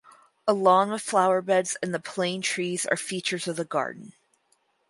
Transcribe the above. A lawn with flowerbeds and plane trees are features of the garden.